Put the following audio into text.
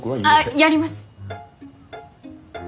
ああやります。